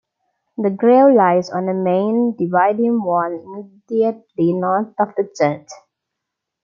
The grave lies on a main dividing wall immediately north of the church.